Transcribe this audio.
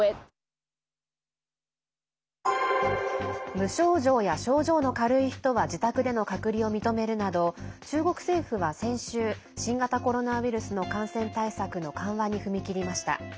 無症状や症状の軽い人は自宅での隔離を認めるなど中国政府は先週新型コロナウイルスの感染対策の緩和に踏み切りました。